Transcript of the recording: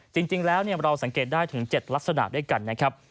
จริงแล้วเราสังเกตได้ถึง๗ลักษณะด้วยกันนะครับ